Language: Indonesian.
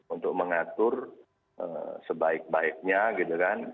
untuk mengatur sebaik baiknya gitu kan